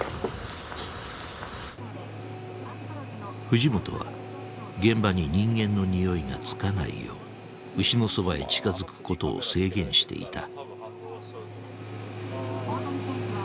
藤本は現場に人間のにおいがつかないよう牛のそばへ近づくことを制限していた。